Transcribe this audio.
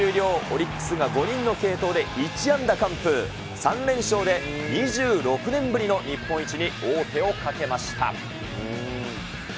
オリックスが５人の継投で１安打完封、３連勝で２６年ぶりの日本一に王手をかけました。